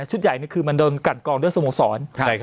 ชุดใหญ่มันกัดกรองด้วยสโมสร